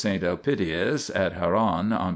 Elpidius at Haran on p.